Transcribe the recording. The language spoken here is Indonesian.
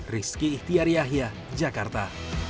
rizky ihtiar yahya jakarta